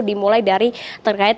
dimulai dari terkait